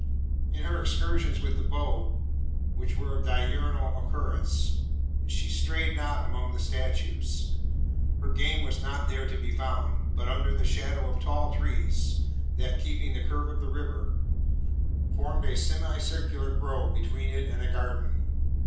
In her excursions with the bow, which were of diurnal occurrence, she strayed not among the statues. Her game was not there to be found; but under the shadow of tall trees that, keeping the curve of the river, formed a semicircular grove between it and the garden.